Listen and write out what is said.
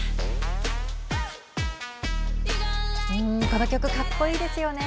この曲、かっこいいですよね。